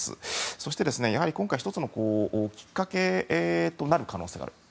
そして今回１つのきっかけとなる可能性があること。